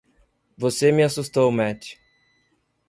Você me assustou, Matty.